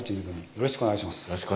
よろしくお願いします